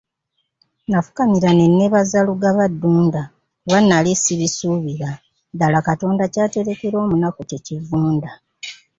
Nafukamira ne neebaza Lugaba Ddunda kuba nali sibisuubira ddala Katonda ky'aterekera omunaku tekivunda.